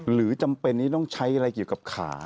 หรือจำเป็นที่ต้องใช้อะไรเกี่ยวกับขา